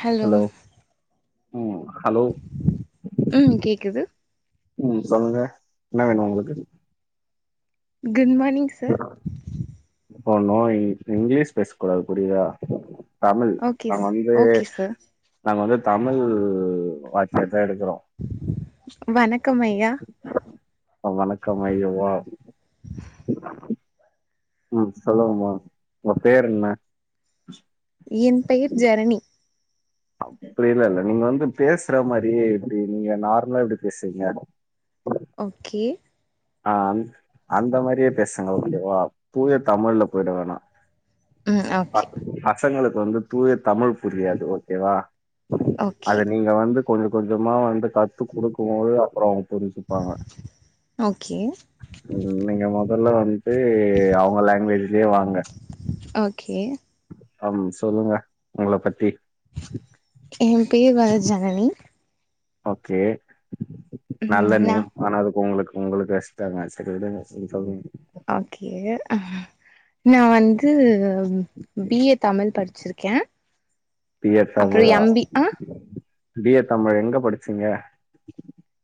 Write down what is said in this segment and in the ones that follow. Hello ம் hello ம் கேக்குது ம் சொல்லுங்க என்ன வேணு உங்களுக்கு குட்மார்னிங் ஹோ நோ இங் இங்கிலீஷ் பேச கூடாது புரியுதா தமிழ் ஓகே நாங்க சார் வந்து ஓகே சார் நாங்க வந்து தமிழ் வாய்ஸ் வாய்ஸ் அ எடுக்குறோ வணக்கம் ஐயா அ வணக்கம் ஐயோ வா ம் சொல்லுங்கமா உங்க பேர் என்ன என் பெயர் ஜனனி அப்டி எல்லா இல்ல நீங்க வந்து பேசற மாரியே எப்டி நீங்க நார்மலா எப்டி பேசுவிங்க ஓகே ஆ அந் அந்த மாரியே பேசுங்க ஓகே வா தூய தமிழ்ல போயிட வேணா ம் அ ஓகே பசங்களுக்கு வந்து தூய தமிழ் புரியாது ஓகேவா அது ஓகே நீங்க வந்து கொஞ்ச கொஞ்சமா வந்து கத்து குடுக்குபோது அப்பறோ புரிஞ்சுப்பாங்க ஓகே நீங்க மொதல்ல வந்ட்டு அவுங்க லாங்குவேஜ்லயே வாங்க ஓகே அம் சொல்லுங்க உங்கள பத்தி எ பேர் வ ஜனனி ஓகே நல்ல ம் நா நேம் ஆனா அதுக்கு உங்களுக்கு உங்களுக்கு வஷ்டாங்க செரி விடுங்க செரி சொல்லுங்க ஓகே நா வந் து பி ஏ தமிழ் படிச்சிருக்கே பி ஏ அப்றோ தமிழா எம் பி ஆ பி ஏ தமிழ் எங்க படிச்சீங்க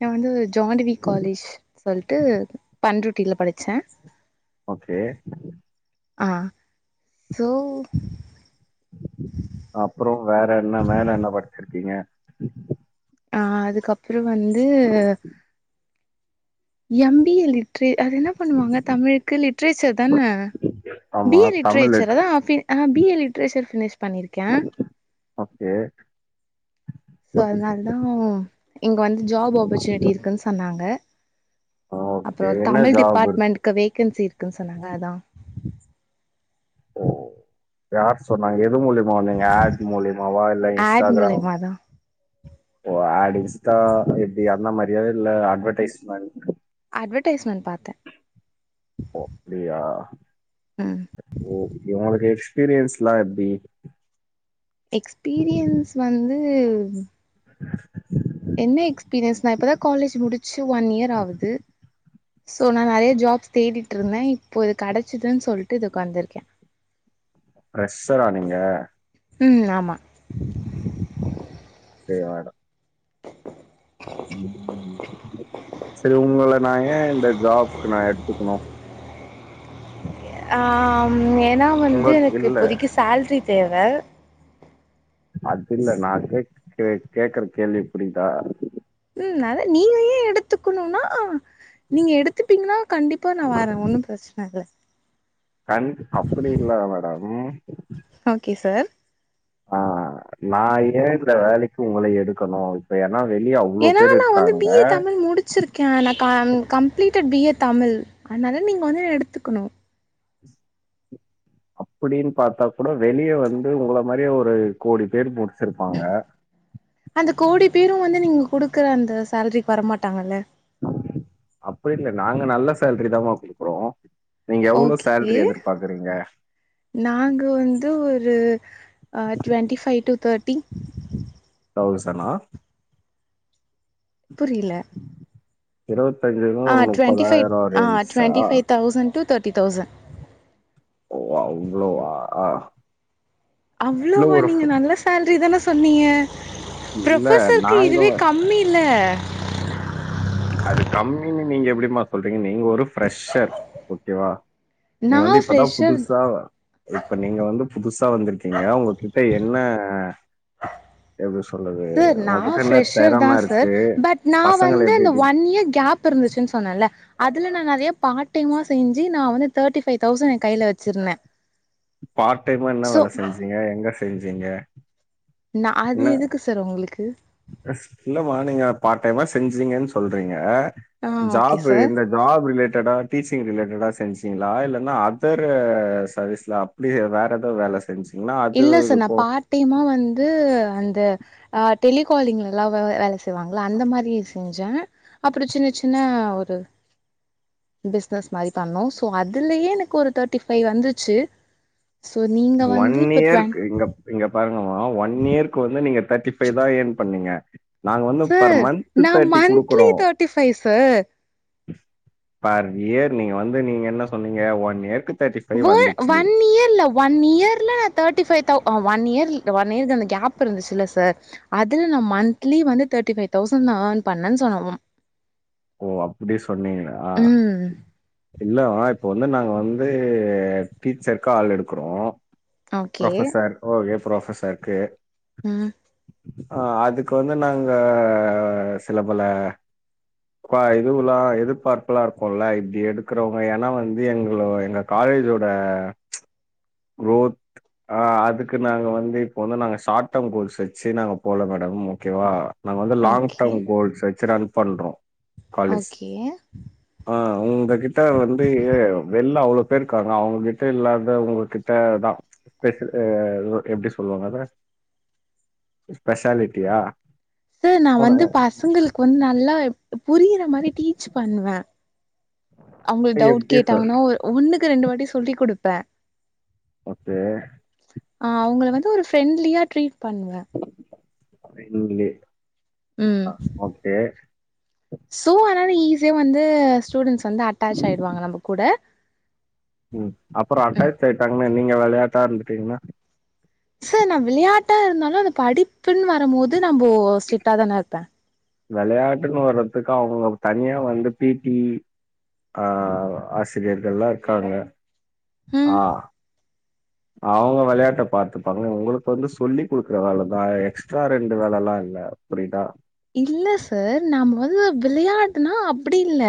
நா வந்து ஜான் டூவி காலேஜ் சொல்ட்டு பண்ருட்டில படிச்சே ஓகே ஆ சோ அப்றோ வேற என்ன மேல என்ன படிச்சிருக்கீங்க ஆ அதுக்கப்பறோ வந்து எம் பி ஏ லிட்ரே அது என்ன பண்ணுவாங்க தமிழுக்கு லிட்ரேச்சர் தான பி ஆமா ஏ தமிழ் லிட்ரேச்சர் லிட்ரே அதா ஃப்பி அ பி ஏ லிட்ரேச்சர் ஃபினிஷ் பண்ணிருக்கே ஓகே ஸோ அதனால தா இங்கே வந்து ஜாப் ஆப்பர்ச்சுனிட்டி இருக்குனு சொன்னாங்க ஓகே. அப்பறோ என்ன தமிழ் ஜாப் இருக்கு? டிபார்ட்மெண்ட்கு வேகன்சி இருக்குனு சொன்னாங்க அதா யார் சொன்னாங்க எது மூலியமா வந்தீங்க ஆட் மூலியமாவா இல்ல ஆட் இன்ஸ்டாகிராம் மூலியமா தா ஓ ஆட் இன்ஸ்டா எப்டி அந்த மாரியா இல்ல அட்வர்டைஸ்மெண்ட் அட்வர்ட்டைஸ்மெண்ட் பாத்தே ஓ அப்டியா ம் ஓகே ஒனக்கு எக்ஸ்பீரியன்ஸ்ல்லா எப்டி எக்ஸ்பீரியன்ஸ் வந்து [inaudible] என்ன எக்ஸ்பீரியன்ஸ் நா இப்பதா காலேஜ் முடிச்சு ஒன் இயர் ஆவுது சோ நா நறைய ஜாப்ஸ் தேடிட்டுருந்த இப்போ இது கடைச்சிதுன் சொல்ட்டு இதுக்கு வந்திருக்க ஃப்ரெஷ்ஷரா நீங்க ம் ஆமா சேவ் ஆய்டு ம் [inaudible] சேரி உங்கள நா ஏ இந்த ஜாப்கு நா எடுத்துக்கணு ஆ ஏன்னா வந்து உங்களுக்கு எனக்கு இல்ல இப்போதிக்கு சேல்ரி தேவ அது இல்ல நா கேக் கே கேக்கற கேள்வி புரிதா ம் அதா நீங்க ஏ எடுத்துக்குணுனா நீங்க எடுத்துப்பீங்ன்னா கண்டிப்பா நா வர ஒன்னும் பிரச்சன இல்ல கண் அப்படி இல்ல மேடம் ஓகே சார் ஆ நா ஏ இந்த வேலைக்கு உங்கள எடுக்கணு இப்ப ஏனா வெளிய அவ்ளோ பேர் இருக்காங்க பச்சிருக்க நா கம் கம்ப்ளீட்டட் பி ஏ தமிழ் அதனால நீங்க வந்து என்ன எடுத்துக்கணு அப்படின்னு பாத்தா கூட வெளிய வந்து உங்கள மாரியே ஒரு கோடி பேர் முடிச்சிருப்பாங்க அந்த கோடி பேரு வந்து நீங் குடுக்குற அந்த சேல்ரிக்கு வரமாட்டாங்கல்ல அப்ப இல்ல நாங்க நல்ல சேல்ரி தான்மா குடுக்குறோ ஓகே நாங்க வந்து ஒரு ஆ டுவெண்ட்டி ஃபைவ் டூ தேர்ட்டி தௌசனா புரில்ல இருவத்தஞ்சு ஆ டுவென்ட்டிஃபைவ் ஆ twenty five thousand two thirty thousand ஓ அவ்ளோவா இல்ல அவ்ளோவா ஒரு நீங்க நல்ல சேல்ரி தான சொன்னீங்க இல்ல ப்ரொஃபசர்க்கு நாங்க இதுவே வ- கம்மி இல்ல அது கம்மின்னு நீங்க எப்டிமா சொல்றீங்க நீங்க ஒரு ஃப்ரெஷ்ஷர் ஓகேவா நீங்க நா வந்து இப்பதா ஃப்ரெஷர் புதுசா இப்ப நீங்க வந்து புதுசா வந்திருக்கீங்க உங்க கிட்ட என்ன எப்படி சொல்றது சார் நா உங்ககிட்ட என்ன ஃப்ரெஷர் தா தெறம சார் இருக்கு பட் நா பசங்கல வந்து அந்த எப்டி ஒன் இயர் கேப் இருந்துச்சுன்னு சொன்னேன்ல அதுல நா நறையா பார்டைமா செஞ்சு நா வந்து தேர்ட்டி ஃபைவ் தௌசண்ட் என் கையில வச்சிருந்த பார்ட் டைமா என்ன வேல செஞ்சீங்க எங்க செஞ்சீங்க நா என்ன அது எதுக்கு சார் உங்களுக்கு இல்லமா நீங்க பார்ட் டைமா செஞ்சீங்கன் சொல்றீங்க ஆ ஓகே ஜாபு சார் இந்த ஜாபு ரிலேட்டடா டீசிங் ரிலேட்டடா செஞ்சீங்களா இல்லேன்னா அதரு சர்வீஸ்ல அப்டி வேறெதோ வேல செஞ்சு இல்ல சார் நா பார்ட் டைமா வந்து அந்த ஆ டெலிகாலிங்லல்லா வ வேல செ ய்வாங்ள அந்த மாரி செஞ்ச அப்புடி சின்ன சின்ன ஒரு பிஸ்னஸ் மாரி பண்ணோ சோ அதுலேயே எனக்கு ஒரு தேர்ட்டி ஃபைவ் வந்துச்சு சோ நீங்க ஒன் வந்து இப்ப டுவென் இயருக்கு இங்க இங்க பாருங்கம்மா ஒன் இயர்க்கு வந்து நீங்க தேர்ட்டி ஃபைவ் தா யேன் பண்ணீங்க நாங்க வந்து பர் சார் மந்த்து நா தேர்ட்டி மந்த்லி குடுக்குறோ thirty five sir per year நீங்க வந்து நீங்க என்ன சொன்னீங்க ஒன் இயர்க்கு வொ வந்துச்சு. வொன் இயர்ல ஒன் இயர்ல நா தேர்ட்டி ஃபைவ் தவ் ஆ ஒன் இயர்ல் ஒன் இயர்க்கு அந்த கேப் இருந்துச்சில்ல சார் அதுல நா மந்த்லி வந்து தேர்டி பைவ் தௌசண் நா ஆஃன் பண்ணன்னு சொன்னவோம் ஓ அப்டி சொன்னீங்களா ம் இல்ல வா இப்ப வந்து நாங்க வந்து டீச்சருக்கு ஆள் எடுக்குறோ ஓகே ப்ரொஃபசர் ஓகே ப்ரொஃபசர்க்கு ம் ஆ அதுக்கு வந்து நாங்க சில பல குவா இதுவுல்லா எதிர்பார்ப்பெல்லா இருக்குல்ல இப்டி எடுக்கறவங்க ஏனா வந்து எங்ளோ எங்க காலேஜோட ச் குரோத் அ ஆ அதுக்கு நாங்க வந்து இப்போ வந்து நாங்க ஷார்ட் டேம் கோர்ஸ் வச்சு நாங்க போல மேடம் ஓகேவா நாங்க வந்து லாங் ஓகே டேர்ம் கோல்ஸ் வெச்சி ரன் பண்றோ காலேஜ் ஓகே ஆ உங்ககிட்ட வந்து வெள்ள அவ்ளோ பேர்க்காங்க அவங்ககிட்ட இல்லாத உங்க கிட் டதா பெஷிலி எப்டி சொல்லுவாங்க அத பெஷாலிட்டியா சார் நா வந்து பசங்களுக்கு வந்து நல்லா புரியற மாரி டீச் பண்ணுவே அவுங்ளுக் டவுட் எப்டி சொல் கேட்டாங்கன்னா ஒன்னுக்கு ரெண்டு வாட்டி சொல்லி குடுப்பே ஓகே ஆ அவ்ங்கள வந்து ஒரு ஃப்ரெண்ட்லியா ட்ரீட் பண்ணுவே [unintelligible] ம் ஆ ஓகே சோ அதனால ஈஸியா வந்து ஸ்டூடெண்ட்ஸ் வந்து அட்டாச் ஆயிடுவாங்க நம்ம கூட ம் அப்பறோ ம் அட்டாயச் ஆயிட்டாங்கன்னா நீங்க விளையாட்டா இருந்துட்டீங்னா சார் நா விளையாட்டா இருந்தாலு அந்த படிப்புன்னு வரம் போது நம்போ ஸ்டிரிட்டா தான இருப்பே விளையாட்டுன்னு வரதுக்கு அவுங்க தனியா வந்து பி டி ஆ ஆசிரியர்கள்லா இருக்காங்க ம் ஆ அவுங்க வெளையாட்ட பாத்துப்பாங்க உங்களுக்கு வந்து சொல்லி குடுக்குற வேலைதா எக்ஸ்ட்ரா ரெண்டு வேலல்லா இல்ல புரியுதா இல்ல சார் நாம வந்து விளையாட்டுனா அப்புடி இல்ல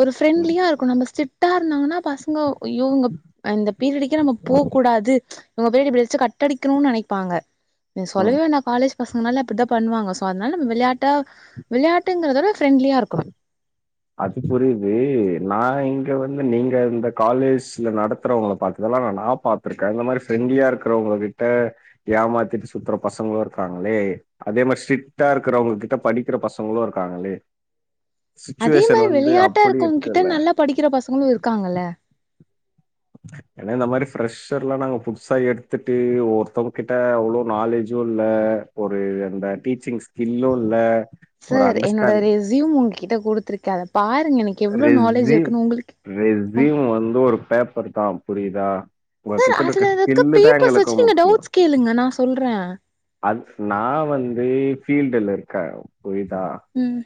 ஒரு ம் ஃப்ரெண்ட்லியா இருக்கு நம்ப ஸ்ரிக்டா இருந்தாங்கன்னா பசங்கோ அய்யோ அவுங்க அந்த பீரியடிக்கு நம்ம போ கூடாது உங்க பீரிட எப்படியாச்சு கட்ட அடிக்கணுன் நெனைப்பாங்க நீ ம் சொல்லவே வேனா காலேஜ் பசங்கனால அப்டிதா பண்ணுவாங்க ஸோ அதனால நம்ம விளையாட்டா விளையாட்டுங்கறதோட ஃப்ரெண்ட்லியா இருக்கணு அது புரியது நா இங்க வந்து நீங்க இந்த காலேஜ்ல நடத்துறவங்கள பாத்ததெல்லா நா பாத்துருக்கே இந்த மாரி ஃப்ரெண்ட்லியா இருக்கிறவங்க கிட்ட ஏமாத்திட்டு சுத்துற பசங்களு இருக்காங்களே அதே மாரி ஸ்ட்ரிக்டா இருக்கறவங்க கிட்ட படிக்கிற பசங்களு இருக்காங்களே அதே சிச்சுவேஷன் மாரி வந்து விளையாட்டா அப்படி இருக்கவங்க கிட்ட இருக்குல்ல. நல்லா படிக்கிற பசங்களு இருக்காங்கல்ல ஏன்னா இந்த மாரி பிரரெஷர்ல்லா நாங்க புதுஸா எடுத்துட்டு ஒர்த்தவங்க கிட்ட அவ்ளோ நாலேஜு இல்ல ஒரு அந்த டீச்சிங் ஸ்கில்லு இல்ல ஒரு சார் என்னோட அண்டர்ஸ்டாண்ட் ரெசியூம் உங்கிட்ட குடுத்துருக்கே அத பாருங்க நீங் ரெஸ்சிம் ம் ரெஸ்சியூம் வந்து ஒரு பேப்பர் தா புரியுதா சார் உங்ககிட்ட இருக்குற அதுல இருக்க ஸ்கில்லு தா பேப்பர்ஸ் எங்களுக்கு வச்சு நீங்க முக்கியோ டவுட்ஸ் கேளுங்க நா சொல்றே அது நா வந்து ஃபீல்டுல இருக்கே புரியுதா ம்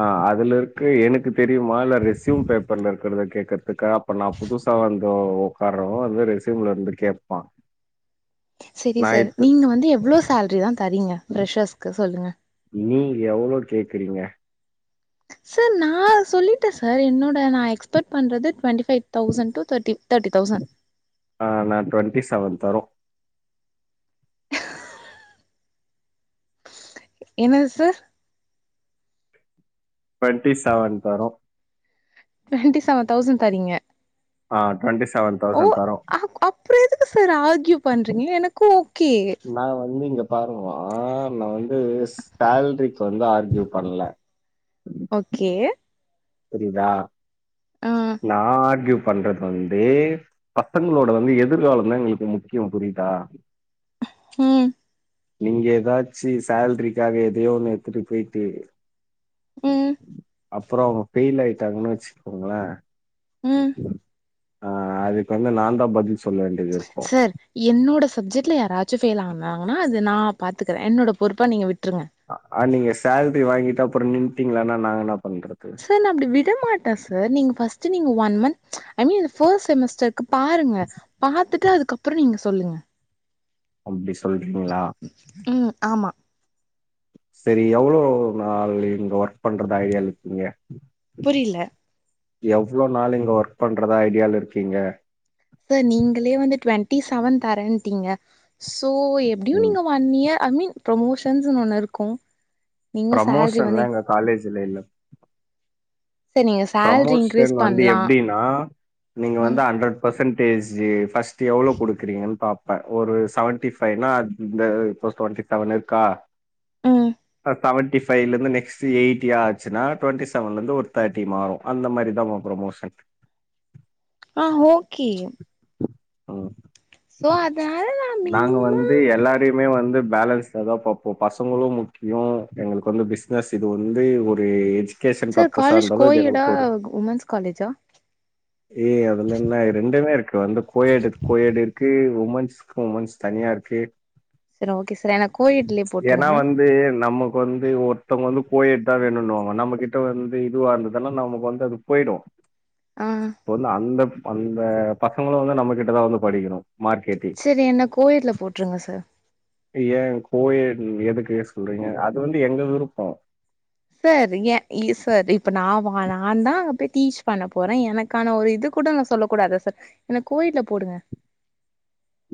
ஆ அதுல இருக்கு எனக்கு தெரியுமா இல்ல ரெஸ்யூம் பேப்பர்ல இருக்குறத கேக்கற்துக்கா அப் இப்ப நா புதுசா வந்த உக்காரனு அந்த ரெசியூம்ல இருந்து கேப்பா செரி சார் நீங்க வந்து எவ்ளோ சேல்ரி தா தரிங்க ப்ரஷர்ஸ்க்கு சொல்லுங்க நீங் எவ்ளோ கேக்குறீங்க சார் நா சொல்லிட்டே சார் என்னோட நா எக்ஸ்பெர்ட் பண்ணறது twenty five thousand two thirty thirty thousand ஆ நா டுவெண்ட்டி செவன் தரோ என்னது சார் டு்வெண்ட்டி செவன் தரோ டுவெண்ட்டி செவன் தௌசண்ட் தரீங்க ஆ டுவெண்டி செவன் தௌசண்ட் தரோ அப்றோ எதுக்கு சார் ஆர்க்யூ பண்றீங்க எனக்கு ஓகே நாங்க வந்து இங்க பாருங்கோ நா வந்து சேல்ரிக்கு வந்து ஆர்க்யூ பண்ல ஓகே புரியுதா ஆ நா ஆர்க்யூ பண்றது வந்து பசங்களோட வந்து எதிர்காலந்தா எங்களுக்கு முக்கியோ புரியுதா ம் நீங்க ஏதாச்சு சேல்ரிக்காக எதையோ ஒன்னு எடுத்துட்டு பொயிட்டு ம் அப்பறோ அவுங்க ஃபெயில் ஆயிட்டாங்கன்னு வச்சுக்கோங்களே ம் ஆ அதுக்கு வந்து நா தா பதில் சொல்ல வேண்டியது இருக்கு சார் என்னோட சப்ஜெட்ல யாராச்சு ஃபெயில் ஆனாங்கன்னா அது நா பார்த்துக்குறே என்னோட பொறுப்பா நீங்க விட்ருங்க அ ஆ நீங்க சேல்ரி வாங்கிட்டு அப்பறோ நின்ட்டீங்களானா நா நாங்க என்ன பண்றது சார் நா அப்டி விட மாட்டே சார் நீங்க பஸ்ட்டு நீங்க one month I mean first semester க்கு பாருங்க பாத்துட்டு அதுக்கப்பறோ நீங்க சொல்லுங்க அப்டி சொல்றீங்களா ம் ஆமா செரி எவ்ளோ நாள் இங்க ஒர்க் பண்றதா ஐடியால இருக்கீங்க புரியில எவ்ளோ நாள் இங்க ஒர்க் பண்றதா ஐடியால இருக்கீங்க சார் நீங்களே வந்து டுவெண்ட்டி செவன் தரேன்ட்டீங்க சோ எப்டியு நீங்க ஒன் இயர் ஐ மீன் ப்ரொமோஷன்ஸ்னு ஒன்னு இருக்கு நீங்க சேல்ரி ப்ரமோஷன்லா வந்து எங்க காலேஜ்ல இல்ல சரி நீங்க சேல்ரி ப்ரமோஷன் இன்க்ரீஸ் வந்து பண்லா எப்டின்னா நீங்க வந்து ம் ஹண்ட்ரட் பெர்சன்டேஜு ஃபஸ்ட்டு எவ்ளோ குடுக்குறீங்கன்னு பாப் ப ஒரு செவன்டி ஃபைவ்னா இந்த இப்ப டுவென்டி செவன் இருக்கா ம் ஆ செவன்டி ஃபைவ்லருந்து நெக்ஸ்ட்டு எய்ட்டி ஆச்சுன்னா டுவென்டி செவன்லருந்து ஒரு தேர்ட் டி மாறு அந்த மாதிரி தா உங்க ப்ரமோஷன் ஆ ஓகே ஆ சோ அதுனால நா நாங்க வந்து மினிமம் எல்லாத் தையுமே வந்து பேலன்ஸ்ல தா பாப்போ பசங்களு முக்கியோ எங்களுக்கு வந்து பிசினஸ் இது வந்து ஒரேஜ் சர் காலேஜ் கோயிடா உமென்ஸ் காலேஜா ஏய் அதுல என்ன ரெண்டுமே இருக்கு வந்து கோயேடு கோயேடு இருக்கு உமன்ஸ் வுமன்ஸ் தனியா இருக்கு சரி ஓகே சார் என்ன கோயட்லயே ஏனா போட்ருங்க வந் து நமக்கு வந்து ஒருத்தவங்க வந்து கோயெட் தா வேணுன்னு வாங்க நம்ம கிட்ட வந்து இதுவாருந்ததுனா நமக்கு வந்து அது போயிடு ஆ இப்ப வந்து அந்த அந்த பசங்களு வந்து நம்ம கிட்டதா வந்து படிக்கணு மார்க்கெட்டிங் சரி என்ன கோயெட்ல போட்ருங்க சர் ஏ கோயேட் எதுக்கு சொல்றீங்க அது வந்து எங்க விருப்போ சர் ஏ இசர் இப்ப நா வா நான்தா அங்க போய் டீச் பண்ண போறே எனக் க்கான ஒரு இது கூட நா சொல்ல கூடாதா சார் என்ன கோயெட்ல போடுங்க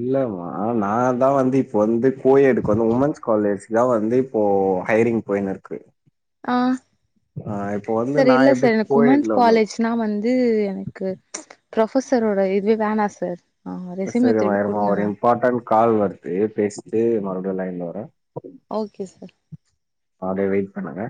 இல்லமா நா தா வந்து இப்போ வந்து கோயெடுக்கு வந்து உமன்ஸ் காலேஜ்தா வந்து இப்போ ஹையரிங் போயினு இருக்கு ஆ ஆ இப்போ வந்து நா எப்டி கோயெட்ல வந்து நா வந்து எனக்கு ப்ரொஃபசரோட இது வேணா சார் ஆ ரெசியூம சரிமா திருப்பி இருமா குடுங்க ஒரு மேம் இம்பார்ட்டன்ட் கால் வருது பேசிட்டு மறுபடியு லைன்ல வரே ஓகே சார் அப்டியே வெயிட் பண்ணுங்க